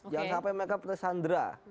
jangan sampai mereka petesandra